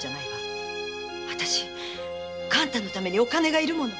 あたし勘太のためにお金が要るもの